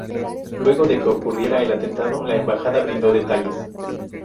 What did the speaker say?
Luego de que ocurriera el atentado, la embajada brindó detalles.